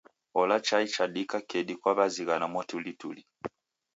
Ola chai chadika kedi kwaw'ezighana mwatulituli.